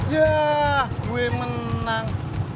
yah gue menang